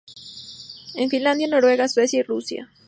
En Finlandia, Noruega, Suecia y Rusia.